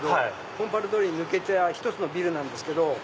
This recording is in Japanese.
金春通りに抜けた１つのビルなんですけど。